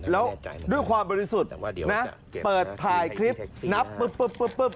แล้วด้วยความบริสุทธิ์นะเปิดถ่ายคลิปนับปุ๊บปุ๊บ